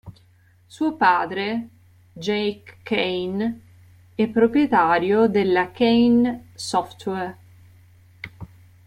Suo padre, Jake Kane, è proprietario della Kane Software.